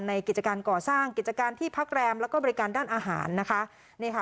กิจการก่อสร้างกิจการที่พักแรมแล้วก็บริการด้านอาหารนะคะนี่ค่ะ